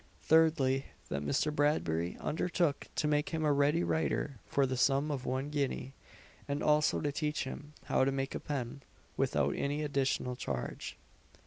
Thirdly, that Mr. Bradbury undertook to make him a ready writer for the sum of one guinea; and also to teach him how to make a pen, without any additional charge.